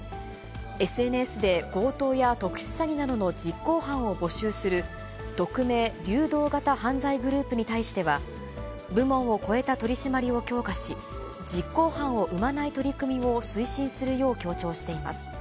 ＳＮＳで強盗や特殊詐欺などの実行犯を募集する、匿名・流動型犯罪グループに対しては、部門を超えた取締りを強化し、実行犯を生まない取り組みを推進するよう強調しています。